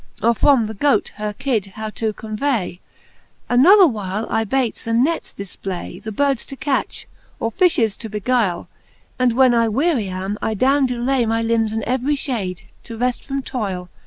Or from the goat her kidde how to convay : Another while, I baytes and nets difplay, The birds to catch, or fifties to beguyie : And when I wearie am, I downe doe lay My limbes in every fliade, to reft from toyle.